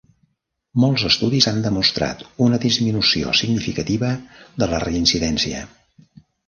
Molts estudis han demostrat una disminució significativa de la reincidència.